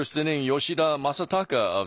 吉田正尚。